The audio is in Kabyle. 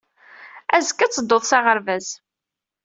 Azekka ad tedduḍ s aɣerbaz.